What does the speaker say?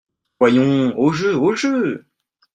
Voyons ! au jeu ! au jeu !